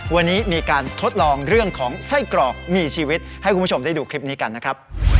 วันนี้มีการทดลองเรื่องของไส้กรอกมีชีวิตให้คุณผู้ชมได้ดูคลิปนี้กันนะครับ